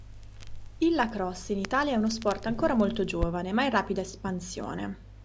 Il Lacrosse in Italia è uno sport ancora molto giovane, ma in rapida espansione.